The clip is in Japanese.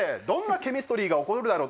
どんなケミストリーが起こる？